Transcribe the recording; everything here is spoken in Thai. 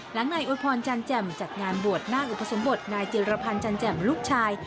นายอวยพรจันแจ่มจัดงานบวชนาคอุปสมบทนายจิรพันธ์จันแจ่มลูกชาย